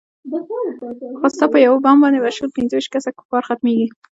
خو ستا په يو بم باندې به شل پينځه ويشت كسه كفار ختميږي.